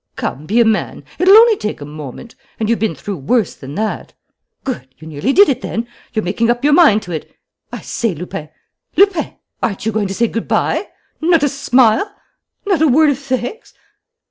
"Come, be a man. It'll only take a moment; and you've been through worse than that! ... Good, you nearly did it then. You're making up your mind to it.... I say, Lupin! ... Lupin! ... Aren't you going to say good bye? Not a smile, not a word of thanks?